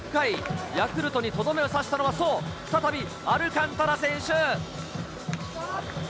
ヤクルトにとどめを刺したのはそう、再びアルカンタラ選手。